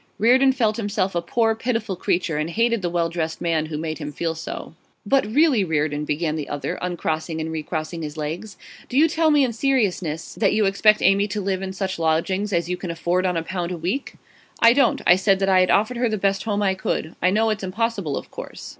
Reardon felt himself a poor, pitiful creature, and hated the well dressed man who made him feel so. 'But really, Reardon,' began the other, uncrossing and recrossing his legs, 'do you tell me in seriousness that you expect Amy to live in such lodgings as you can afford on a pound a week?' 'I don't. I said that I had offered her the best home I could. I know it's impossible, of course.